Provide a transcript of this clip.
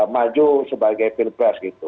maju sebagai pilpres gitu